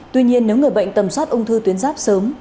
tuy nhiên nếu người bệnh tầm soát ung thư tuyến giáp sớm